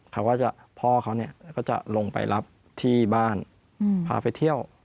เขาก็จะพ่อเขาก็จะลงไปรับที่บ้านพาไปเที่ยว